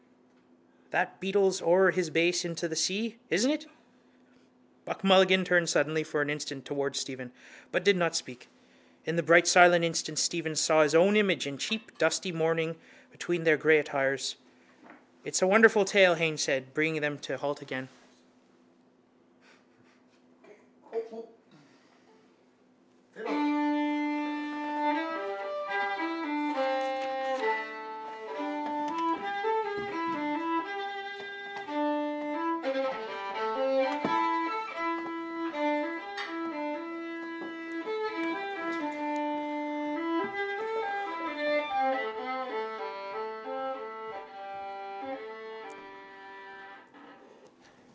That beetles o'er his base into the sea, isn't it? Buck Mulligan turned suddenly for an instant towards Stephen but did not speak. In the bright silent instant Stephen saw his own image in cheap dusty mourning between their gay attires. —It's a wonderful tale, Haines said, bringing them to halt again.